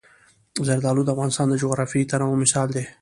زردالو د افغانستان د جغرافیوي تنوع مثال دی.